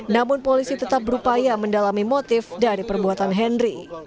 namun polisi tetap berupaya mendalami motif dari perbuatan henry